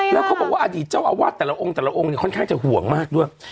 แล้วเขาบอกว่าอดีตเจ้าอาวาสแต่ละองค์แต่ละองค์เนี่ยค่อนข้างจะห่วงมากด้วย